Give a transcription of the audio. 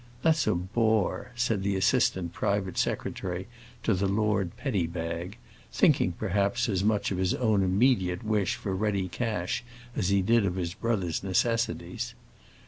"That's a bore," said the assistant private secretary to the Lord Petty Bag, thinking, perhaps, as much of his own immediate wish for ready cash as he did of his brother's necessities.